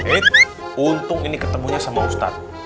eit untung ini ketemunya sama ustadz